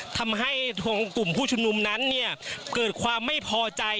ทำให้ทางกลุ่มผู้ชุมนุมนั้นเนี่ยเกิดความไม่พอใจ